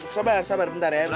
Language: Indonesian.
sabar sabar bentar ya